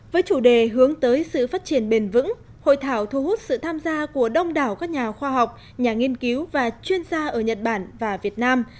với chủ đề hướng tới sự phát triển bền vững hội thảo thu hút sự tham gia của đông đảo các nhà khoa học nhà nghiên cứu và chuyên gia ở nhật bản và việt nam